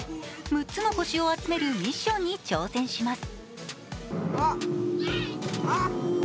６つの星を集めるミッションに挑戦します。